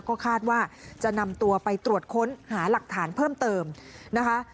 ก็คาดว่าจะนำตัวไปตรวจค้นหาหลักฐานเพิ่มเติมนะคะ